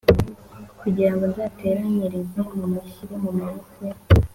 kugirango nzateranyirize mumushyire mumaboko ye,